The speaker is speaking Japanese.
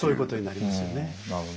なるほどね。